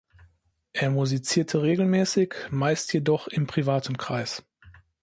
Er musizierte regelmäßig, meist jedoch im privaten Kreis.